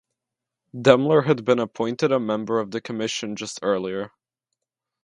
Demmler had been appointed a member of the commission just earlier.